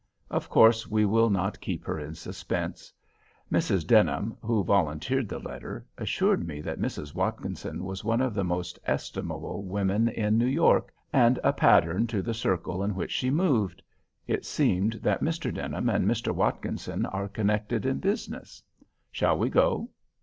Of course we will not keep her in suspense. Mrs. Denham, who volunteered the letter, assured me that Mrs. Watkinson was one of the most estimable women in New York, and a pattern to the circle in which she moved. It seems that Mr. Denham and Mr. Watkinson are connected in business. Shall we go?"